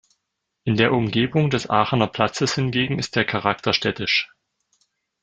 In der Umgebung des Aachener Platzes hingegen ist der Charakter städtisch.